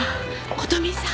琴美さん！